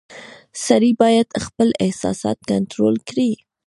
• سړی باید خپل احساسات کنټرول کړي.